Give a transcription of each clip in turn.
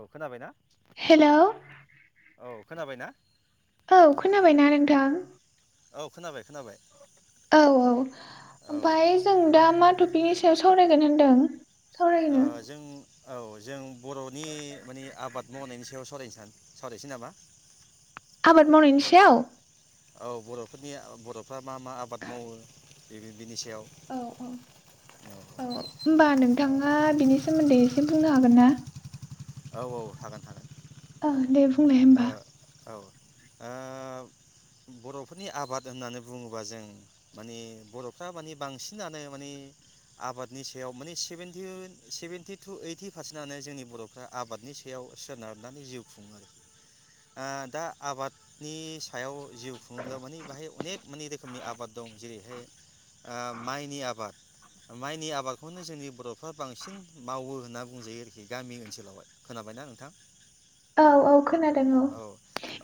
औ खोनाबायना हेलौ औ खोनाबाय ना औ खोनाबायना नोंथां औ खोनाबाय खोनाबाय औ औ औ ओमफ्राय जों दा मा टपिकनि सायाव सावराय गोन होनदों आ सावरायनो जों औ जों बर'नि मानि आबाद मावनायनि सायाव सावरायनो सावरायनोसै नामा आबाद मावनायनिसायाव औ बर'फोरनि बर'फ्रा मा मा आबाद मावो बे बिनि सायाव औ औ औ होनोमबा नोंथाङा औ बिनि सोमोन्दै एसे बुंनो हागोन ना औ औ हागोन ओ औ दे बुंलाय ओ होमबा औ ओ बर'फोरनि आबाद होननानै बुङोबा जों माने बर'फ्रा मानिे बांसिनानो माने आबादनि सायाव माने सेभेेनटि सेभेेनटि टु ओइटि पारसेन्टआनो जोंनि बर'फ्रा आबादनि सायाव सोनारनानै जिउ खुङो आ दा आबादनि सायाव जिउ खुंब्ला मानि बाहाय अनेक मोननै रोखोमनि आबाद दं जेरैहाय आ माइनि आबाद माइनि आबादखौनो जोंनि बर'फ्रा बांसिन मावो होनना बुंजायो आरोखि गामि ओनसोलावहाय खोनाबायना नोंथां औ औ खोनादों औ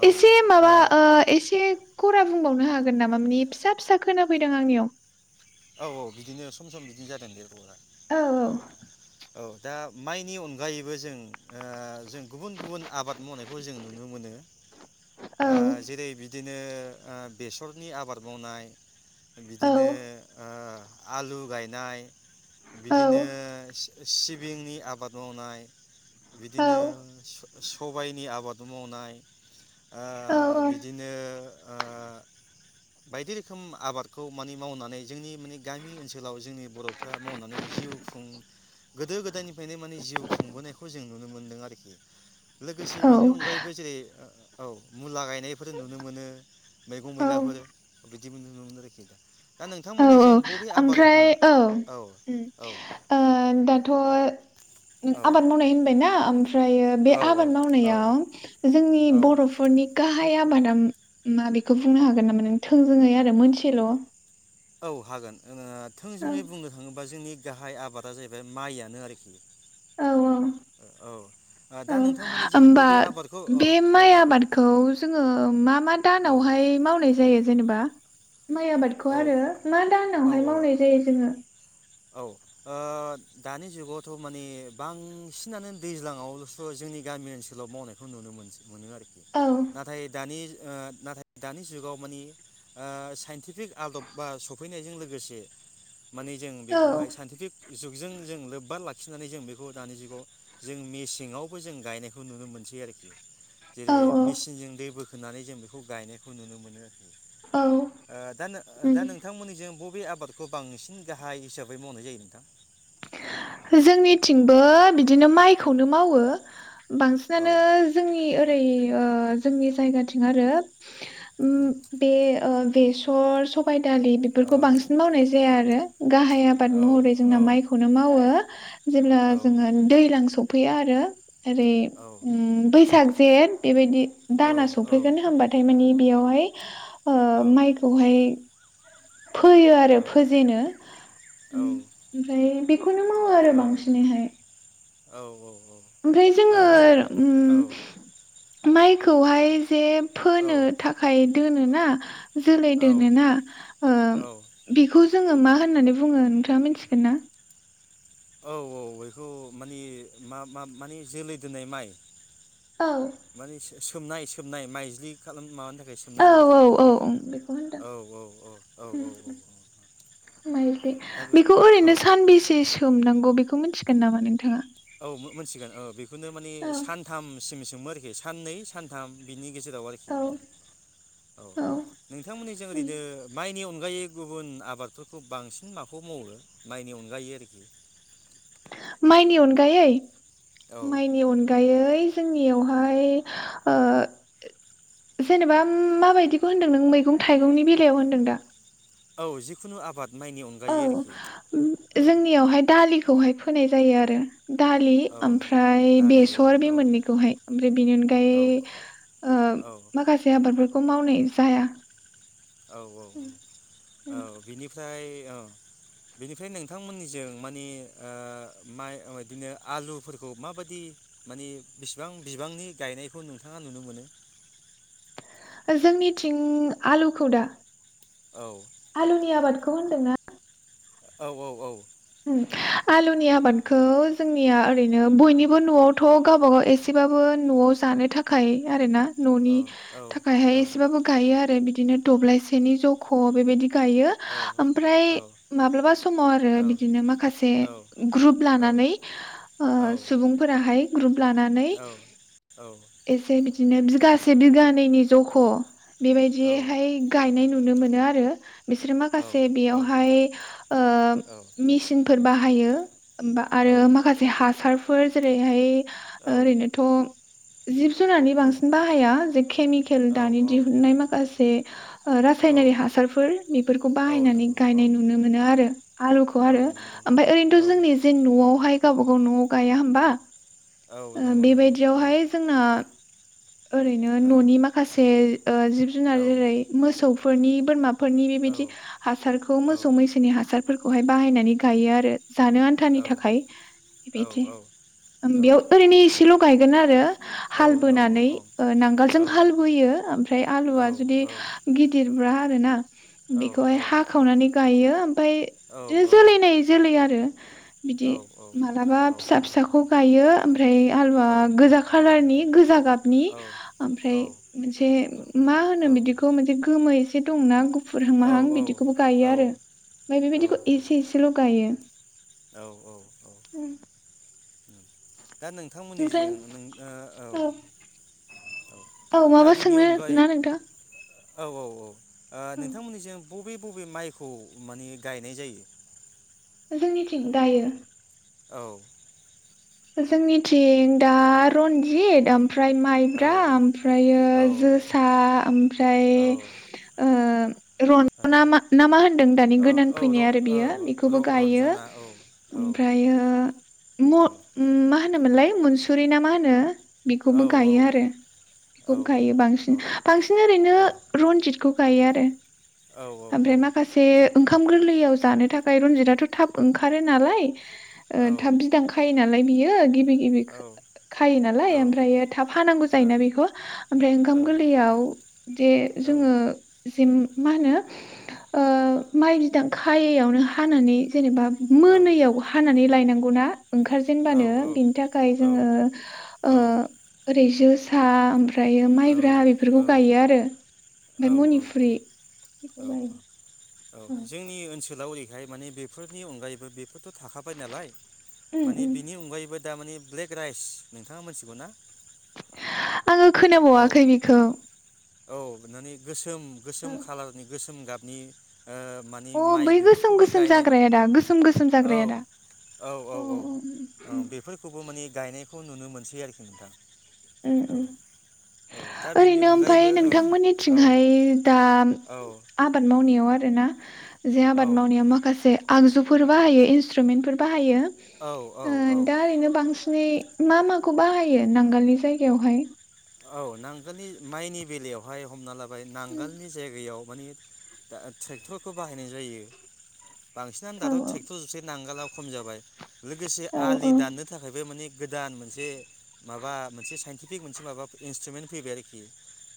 औ ओ इसे माबा ओ इसे खौरां बुं बुंबावनो हागोन नामा मानि फिसा फिसा खोनाफैदों आंनियाव औ औ बिदिनो सम सम बिदिनो जादों नेतवरक औ औ दा माइनि अनगायैबो जों ओ जों गुबुन गुबुन आबाद मावनायखौ जों नुनो मोनो आ जेरै बिदिनो बिदिनो आ बेसरनि आबाद मावनाय औ बिदिनो ओ आलु गायनाय औ बिदिनो से सिबिंनि आबाद मावनाय औ बिदिनो सु सबाइनि आबाद मावनाय आ बिदिनो ओ बायदि रोखोम आबादखौ मानि मावनानै जोंनि माने गामि ओनसोलाव जोंनि बर'फ्रा मावनानै जिउ खुं गोदो गोदायनि [unintelligible] माने जिउ खुंबोनायखौ जों नु नो मोनदों आरोखि लोगोसे औ बिनि अनगायैबो जेरै ओ-ओ औ मुला गाय नायफोर नुनो मोनो मैगं मैलाफोर औ दिबो नुनो मोनो आरो खि दा औ औ नोंथांमोननिजों बबे आबाद आमफ्राय औ ओ ओम औ ओ दाथ' औ आबाद मावनाय होनबायना आम फ्रायो बे औ आबाद औ मावनायाव जोंनि औ बर'फोरनि गाहा हाय आबादा मा बेखौ बुंनो हागोन नामा नों थोंजोङै आरो मोनसेल' औ हागोन जोङो थोंजोङै बुंनो थाङोब्ला जोंनि गाहाय आबादा जाहैबाय माइयानो आरोखि औ ओ दा औ-औ-औ नोंथांमोननिजों होमबा बबे आबादखौ औ बे औ माइ आबादखौ जोङो मा-मा औ दानावहाय मावनाय जायो जेनेबा माइ आबादखौ आरो मा औ दानावहाय मावनाय जायो जोङो औ ओ दानि जुगावथ' मानि बांसिनानो दैज्लाङावल'स' जोंनि गामि ओनसोलाव मावनायखौ नुनो मोनसै मोनो आरोखि औ नाथाय दानि ओ नाथाय दानि जुगाव मानि ओ साइन्टि टिक आदब बा सफैनायजों लोगो गोसे माने जों औ बेवहाय सान्टिफिक जुग जों जों लोब्बा लाखिनानै जों बेखौ दानि जुगाव जों मेसेङावबो जों गायनायखौ नुनो मोनसै आरोखि जेरै औ औ मेचिनजों दै बोख खोनानै जों बेखौ गायनायखौ नुनो मोनो ओ औ दा नो दा उम नोंथांमोननिजों बब बे आबादखौ बांसिन गाहाय हिसाब बै मावनाय जायो नोंथां जोंनिथिंबो बिदिनो माइखौनो मावो औ बांसिनानो जोंनि ओरै ओ जोंनि जायगाथिं आरो उम बे ओ बेसर सबाइ दालि औ बेफोरखौ बांसिन मावनाय जाया आरो गाहाय आबाद औ महरै जोंना औ माइखौनो मावो जेब्ला औ जोङो दैलां सफैया आरो ओरै औ उम बैसाग जेत बेबायदि दाना औ सफैगोन होमबाथाय माने बेयावहाय ओ औ माइखौहाय फोयो आरो फोजेनो ओम ओमफ्राय बेखौनो मावो आरो बांसिनैहाय औ-औ ओमफ्राय जोङो उम माइ खौहाय जे फोनो थाखाय दोनो ना जोलै औ दोनोना ओ औ बेखौ जोङो मा मा होननानै बुङो नोंथाङा मिथिगोन ना औ-औ बेखौ मानि मा मा माने जोलै दोननाय माइ औ माने सोमनाय सोमनाय माइज्लि खालाम माबानो थाखाय सोमनाय माथो औ-औ-औ बेखौ होनदों औ औ औ औ उम औ औ उम माइज्लि दा बे बेखौ औ ओरैनो सानबेसे सोमनांगौ अ' बेखौ मिन्थिगोन नामा नोंथाङा औ मोनथिगोन औ बेखौनो माने औ सानथामसिम आरोखि साननै सानथाम बिनि गेजेराव औ आरोखि नोंथां औ नोंथांमोननि जों ओरैनो माइनि अनगायै गुबुन आबादफोरखौ बांसिन माखौ मावो माइनि अनगायो आरोखि माइनि अनगायै औ माइनि अनगायै जोंनियावहाय ओ जेनेबा औ जिखुनु आबाद माइनि औ अनगायै आरोखि औ जोंनियावहाय दालि खौहाय फोनाय जायो आरो दालि औ ओम फ्राय दालि बेसर बे औ मोननैखौहाय ओमफ्राय बेनि अनगायै औ औ ओ खौ मावनाय औ औ औ औ बेनि फ्राय ओ बेनिफ्राय नोंथांमोननिजों मानि ओ माइ बिदिनो आलुफोरखौ माबायदि मानि बेसेबां बिबांनि गायनायखौ नोंथाङा नुनो मोनो? दा जोंनिथिं आलुखौ दा औ आलुनि आबादखौ होन दोंना औ औ औ आलुनि आबादखौ जोंनिया ओरैनो बयनिबो न'आवथ' गावबाागाव एसेबाबो न'आव जानो थाखाय आरोना औ न'नि थाखायहाय औ एसेबाबो गायो आरो बिदि बिदिनो दब्लायसेनि जख' बेबायदि गायो औ औ आमफ्राय माब्लाबा समाव आरो औ बि माखासे औ ग्रुब लानानै औ ओ सुबुंफोरा हाय ग्रुप लानानै औ एसे बिदि बिगासे बिगानैनि जख'। बेबायदिहाय गाय नुनो मोनो आरो। बिसोरो माखासे बेयावहाय, ओ फोर बाहायो। होमबा आरो माखासे हासार ओ जेरैहाय ओरैनोथ' जिब जुनारनि बांसिन बाहाया जे केमिकेल दानि दिहुनन्नाय माखासे औ रासायनारि हासारफोर बेफोरखौ औ बाहायनानै नंगौ औ गायनाय नुनो मोनो आरो आलुखौ। औ आरो नंगौ ओमफ्राय औ ओरैनोथ' जोंनि जे न'आव ओमफ्राय गावबा गाव न'आव गाया होमबा औ ओ नंगौ नंगौ बेबायदियावहाय जोंना ओरैनो औ न'नि माखासे ओ जिब औ जुनार जेरै मोसौ फोरनि, बोरमा फोरनि औ नौ औ बेबायदि हासारखौ मोसौ-मैसोनि हासार फोरखौहाय बाहायनानै गायोआरो। जानो आन्थानि थाखाय बेदि ओम बेयाव ओरैनो एसेल' गायगोनआरो हाल बोनानै ओ नांगालजों हाल बोयो, ओमफ्राय आलुआ जुदि गिदिरब्ला बेना बेखौहाय हाखावनानै गायो ओमफ्राय बिदि जोलैनाय-जोलैआरो बिदि मालाबा फिसा-फिसाखौ गायो। ओमफ्राय आलुआ गोजा कालारनि गोजा गाबनि ओमफ्राय मोनसे मा होनो बिदिखौ गोमो एसे दंना गु फुरहां माहां बिदिखौबो गायोआरो। नै बेबायदिखौ एसेल' गायो। औ-औ-औ। [inaudible] दा ओमफ्राय नोंथांमोननिजों ओ औ औ औ दा माबा बिनि सोंनो अनगायै ना नोंथां औ औ औ। औ नोंथांमोननि जों बबे बबे माइखौ माने गायनाय जायो? जोंनि थिं दायो औ। जोंनिथिं दा रन्जित ओम ओमफ्राय माइब्रा औ ओमफ्रायो औ जोसा ओमफ्राय औ रन्जना ओ मा ना मा होनदों औ र औ रन्जना औ दानि गोदान फैनाय आरो बियो बेखौबो गायो ओमफ्रायो म मा होनोमोनलाय म मोनसुरि ना मा होनो? बेखौबो गायो आरो बेखौबो गायो बांसिन बांसिन ओरैनो रनजितखौ गायो आरो। ओमफ्राय माखासे ओंखाम गोरलैयाव जानो थाखाय रनजिताथ' थाब ओंखारो नालाय। थाब बिदां खायोना नालाय बियो गिबि गिबि खायो नालाय ओमफ्रायो थाब हानांगौ जायोना बेखौ ओमफ्राय ओंखाम गोरलैयाव जे जोङो जिम मा होनो माइ बिदां खायैयावनो हानानै जेनेबा मोनैयाव हानानै ला नोंगौना ओंखार होननानै बिनि थाखाय जोङो ओ औ ओरै जो सा ओमफ्रायो माइब्रा बेफोरखौ औ औ गायो आरो ओमफ्राय मनिपुरिखौ गायो। औ जोंनि ओनसोल लावरिहाय माने बेफोरनि अनगायैबो बेफोरथ' थाखाबाय नालाय। उम माने उम बिनि अनगायैबो दामाने ब्लेक राइस नोंथाङा मोनथिगौ ना? आङो औ खोनाबावाखै बिखौ। औ माने गोसोम गोसोम खालारनि गोसोम गाब नि ओ मानि अ माइ बै गोसोम बेफोरखौबो गोसोम गायनाय जाग्राया दा गोसोम गोसोम औ जाग्राया दा औ औ अ औ उम उम बेफोरखौबो मानि गायनायखौ नुनो मोनसै आरोखि नोंथां। उम औ उम। औ दा बिनि ओरैनो ओमफ्राय अनगायैबो औ औ नोंथांमोननिथिंहाय दा औ आबाद मावनायाव आरो ना। [inaudible] जे औ आबाद मावनायाव माखासे आगजुफोर बाहायो इन्सट्रुमेन्टफोर बाहायो। औ औ ओ औ दा ओरैनो बांसिन। नै मा माखौ बाहायो नांगालनि जायगायावहाय? औ नांगोलनि माइनि बेलायावहाय हमना लाब बाय नांगालनि जायगायाव। माने दा ट्रेक्टरखौ बाहायनाय जायो। बांसिनानो औ दाथ' ट्रेक्टर जोबसै नांगालाव खम जाबाय। लोगोसे औ आलि औ दाननो थाखायबो माने गोदान मोनसे माबा मोनसे साइनटिफिक मोनसे माबा इन्सट्रुमेन्ट फैबाय आरोखि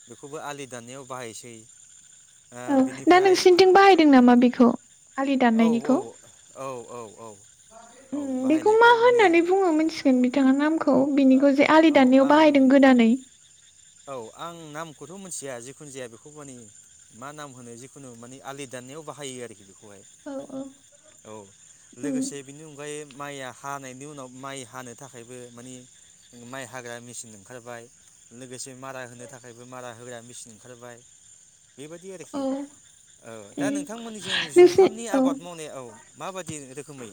बेखौबो आलि दाननायाव बाहायोसै। औ दा नोंसिनिथिं बाहायदों नामा बेखौ। आलि औ औ दाननायनिखौ। औ औ औ। औ उम बेखौ मा बाहायनायखौ माने होननानै बुङो मोनसिगोन बिथाङा नाम खौ बिनिखौ जे आलि औ दान्नायाव आं बाहायदों गोदानै। खौथ' मोनथिया जिखुन जाया बेखौ माने मा नाम होनो जिखुनु माने आलि दाननायाव बाहायो आरोखि। औ औ औ उम लोगोसे बेखौ हाय। माइया हानायनि उनाव माइ हानो थाखायबो माने माइ हाग्रा मेचिन ओंखारबाय लोगोसे। मारा होनो थाखायबो मारा होग्रा मेसिन ओंखारबाय। बेबायदि आरोखि औ दा उम नोंथांमोननि जों नोंसिनि जुंखामनि औ आबाद मावनाय औ। माबादि रोखोमै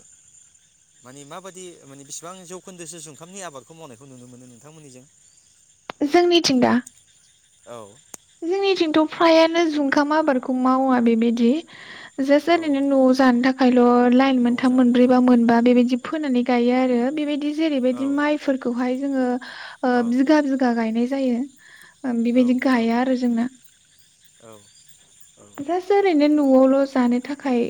माने माबादि बेसेबां जौखोन्दो सो जुखामनि आबाद खौ मावनायखौ नुनो मोनो नोंथांमोननिजों? जोंनिथिंदा औ जोंनिथिंथ' फ्रायानो जुंखाम आबादखौ मावा बेबायदि। औ जास्टओरैनो न'आव जानो थाखायल' लाइन न'आव मोनथाम जानो मोनब्रै औ बा मोनबा बेबायदि फोनानै। गायो आरो बेबायदि जेरैबायदि माइफोरखौ जोङो औ बिघा बिघा गायनाय जायो औ बेबायदि औ गाया जोंना औ जास्ट ओरैनो न'आवल' जानो थाखाय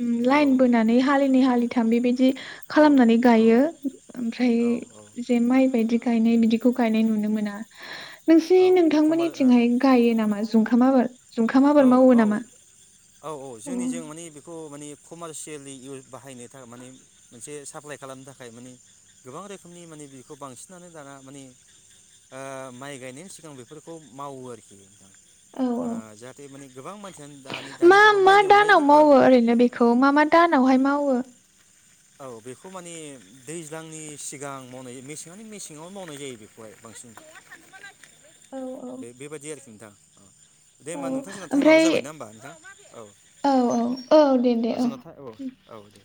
ओ औ लायेन बोनानै हालिनि हालि थाम बेबायदि दि औ खालामनानै गायो ओमफ्राय औ जे माइ बायदि गायनाय बिदिखौ गायनाय नुनो मोना औ नोंसिनि नोंथांमोननि खमबा थिंहाय गायो नामा जुंखाम आबद जुंखाम आबाद औ मावो नामा औ औ औ अ जोंनि जों माने बेखौ माने कमारसियेलि इयउस बाहायनो थाखाय माने मोनसे साप्लाय खालामनो थाखाय माने गोबां रोखोमनि माने बेखौ बांसिनानो दाना माने ओ माइ गायनायनि सिगां बेफोरखौ मावो आरोखिं औ ओ औ जा मा मा अनगायैबो दानाव ओ मावो ओरैनो बेखौ मा मा दानाव अहाय मावो औ बेखौ माने दैज्लांनि सिगां मावनाय जायो मेसेङानो मेसेङावनो मावनाय जायो बेखौहाय बांसिन औ बे बेबादि आरोखि [inaudible] दे औ होमबा नोंथां जोंना टाइमाबो ओमफ्राय जाबायना होमबा नोंथां औ औ औ दे दे औ जोंना टा औ औ